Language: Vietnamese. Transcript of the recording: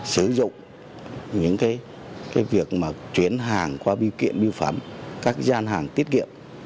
sử dụng những việc chuyển hàng qua biêu kiện biêu phẩm các gian hàng tiết kiệm